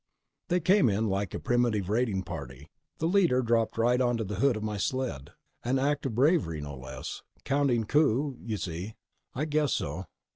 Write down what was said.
"They came in like a primitive raiding party. The leader dropped right onto the hood of my sled. An act of bravery, no less. Counting coup, you see?" "I guess so."